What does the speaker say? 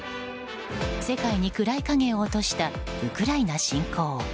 世界に暗い影を落としたウクライナ侵攻。